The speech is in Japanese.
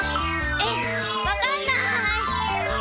えっわかんない。